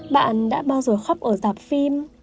bạn đã bao giờ khóc ở dạp phim